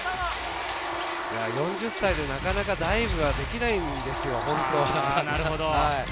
４０歳でなかなかダイブはできないんですよ。